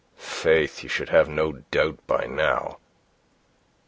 "Faith, you should have no doubt by now."